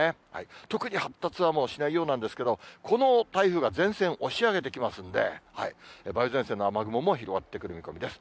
特に発達はもうしないようなんですけども、この台風が前線を押し上げてきますんで、梅雨前線の雨雲も広がってくる見込みです。